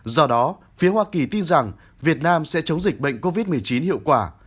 do đó phía hoa kỳ tin rằng việt nam sẽ chống dịch bệnh covid một mươi chín hiệu quả